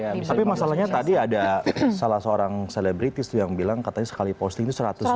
tapi masalahnya tadi ada salah seorang selebritis tuh yang bilang katanya sekali posting itu seratus juta